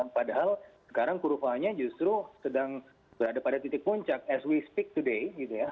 pokoknya justru sedang berada pada titik puncak as we speak today